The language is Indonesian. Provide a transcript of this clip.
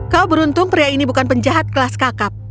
kau beruntung pria ini bukan penjahat kelas kakap